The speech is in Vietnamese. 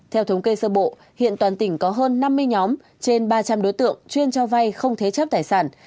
theo thống kê sơ bộ hiện toàn tỉnh có hơn năm mươi nhóm trên ba trăm linh đối tượng chuyên cho vay không thế chấp tài sản